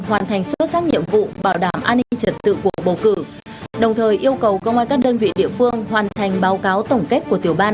hoàn thành xuất sắc nhiệm vụ bảo đảm an ninh trật tự cuộc bầu cử đồng thời yêu cầu công an các đơn vị địa phương hoàn thành báo cáo tổng kết của tiểu ban